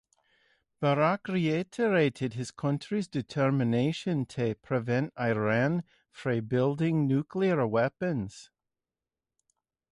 Barak reiterated his countries determination to prevent Iran from building nuclear weapons.